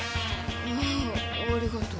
ああありがとう。